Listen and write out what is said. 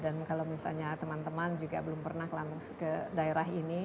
dan kalau misalnya teman teman juga belum pernah ke daerah ini